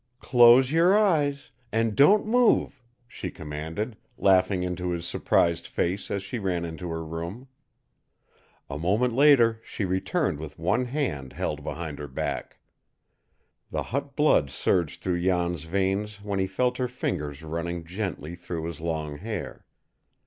"Close your eyes and don't move!" she commanded, laughing into his surprised face as she ran into her room. A moment later she returned with one hand held behind her back. The hot blood surged through Jan's veins when he felt her fingers running gently through his long hair.